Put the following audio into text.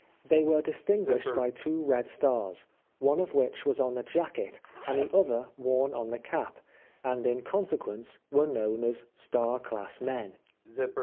They were distinguished by two red stars, one of which was on the jacket and the other worn oh the cap, and in conse quence were known as " Star class men."